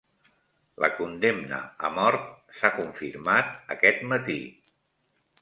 La condemna a mort s'ha confirmat aquest matí